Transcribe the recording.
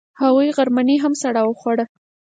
هغوی غرمنۍ هم سره وخوړه.